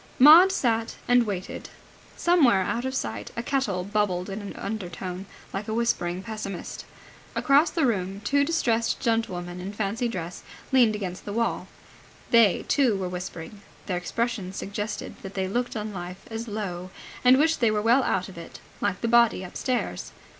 Maud sat and waited. Somewhere out of sight a kettle bubbled in an undertone, like a whispering pessimist. Across the room two distressed gentlewomen in fancy dress leaned against the wall. They, too, were whispering. Their expressions suggested that they looked on life as low and wished they were well out of it, like the body upstairs.